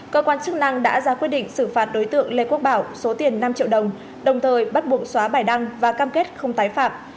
cơ quan chức năng đã ra quyết định xử phạt đối tượng lê quốc bảo số tiền năm triệu đồng đồng thời bắt buộc xóa bài đăng và cam kết không tái phạm